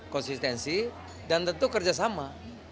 konsistensi dan tentu kerjasama